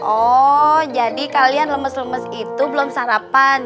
oh jadi kalian lemes lemes itu belum sarapan